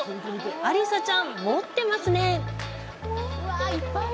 アリサちゃん、持ってますね！